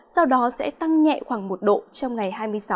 sau đó sẽ tăng nhẹ khoảng một độ trong ngày hai mươi sáu